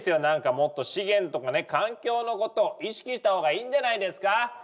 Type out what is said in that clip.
何かもっと資源とかね環境のことを意識した方がいいんじゃないですか？